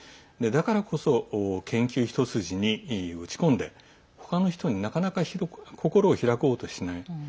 だからこそ研究一筋に打ちこんで他の人になかなか心を開こうとしない。